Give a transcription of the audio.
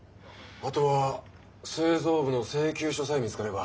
あとは製造部の請求書さえ見つかれば。